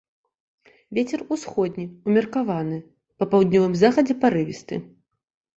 Вецер усходні ўмеркаваны, па паўднёвым захадзе парывісты.